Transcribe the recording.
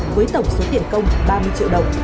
với tổng số tiền công ba mươi triệu đồng